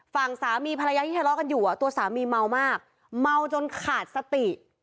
ฝั่งสามีภรรยาที่ทะเลาะกันอยู่ตัวสามีเมามากเมาจนขาดสติ